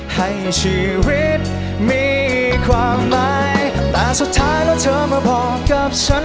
ให้ชีวิตมีความหมายแต่สุดท้ายแล้วเธอมาบอกกับฉัน